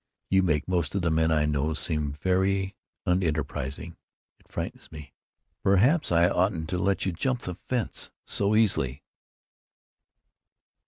You make most of the men I know seem very unenterprising. It frightens me. Perhaps I oughtn't to let you jump the fence so easily."